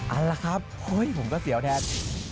อันล่ะครับโอ้โฮผมก็เสียวแทน